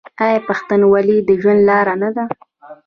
آیا پښتونولي د ژوند لاره نه ده؟